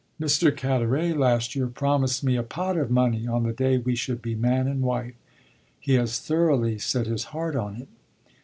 "Mr. Carteret last year promised me a pot of money on the day we should be man and wife. He has thoroughly set his heart on it."